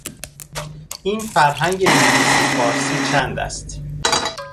این فرهنگ انگلیسی - فارسی چند است؟